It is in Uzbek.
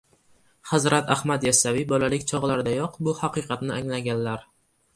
Hazrat Ahmad Yassaviy bolalik chog‘laridayoq bu haqiqatni anglaganlar.